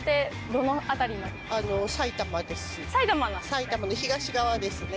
埼玉の東側ですね。